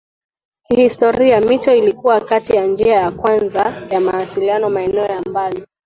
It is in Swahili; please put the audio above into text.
Kihistoria mito ilikuwa kati ya njia ya kwanza ya mawasiliano maeneo ya mbali